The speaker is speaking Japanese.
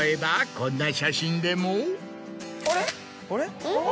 あれ？